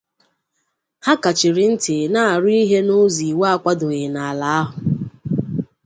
ha kàchiri ntị na-arụ ihe n'ụzọ iwu akwadoghị n'ala ahụ